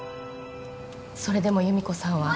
それでも由美子さんは。